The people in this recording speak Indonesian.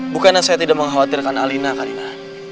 bukannya saya tidak mengkhawatirkan alina kalimah